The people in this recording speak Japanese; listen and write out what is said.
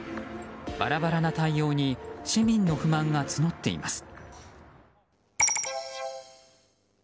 バラバラな対応に市民の不満が募っています。